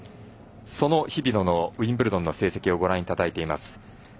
その日比野のウィンブルドンの成績をご覧いただいています。